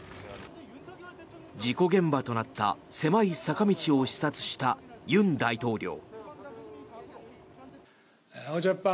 事故現場となった狭い坂道を視察した尹大統領。